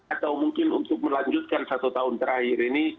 atau mungkin untuk melanjutkan satu tahun terakhir ini